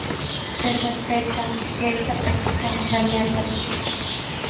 Se sospechosa que esta práctica dañar la vista.